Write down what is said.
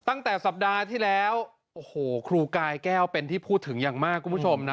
ตั้งแต่สัปดาห์ที่แล้วโอ้โหครูกายแก้วเป็นที่พูดถึงอย่างมากคุณผู้ชมนะ